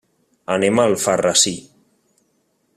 Anem a Alfarrasí.